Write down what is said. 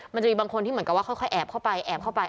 มันจะมีบางคนที่เหมือนกับว่าค่อยแอบเข้าไปแอบเข้าไป